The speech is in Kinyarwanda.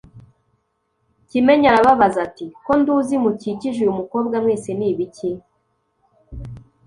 Kimenyi arababaza ati “Ko nduzi mukikije uyu mukobwa mwese ni ibiki